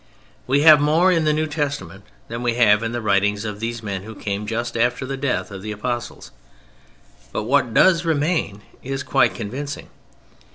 We have more in the New Testament than we have in the writings of these men who came just after the death of the Apostles. But what does remain is quite convincing.